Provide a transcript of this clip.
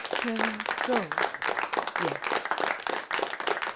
"Can I go?" "Yes."